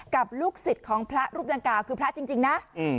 ลูกศิษย์ของพระรูปดังกล่าวคือพระจริงนะ